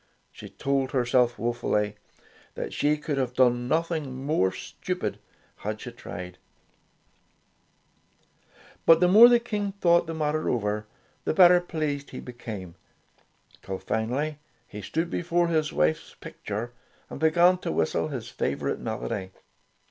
She told herself woefully that she could have done nothing more stupid, had she tried. Tales of Modern Germany 35 But the more the King thought the matter over, the better pleased he became, till finally he stood before his wife^s pic ture and began to whistle his favorite melody.